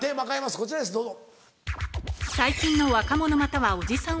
こちらですどうぞ。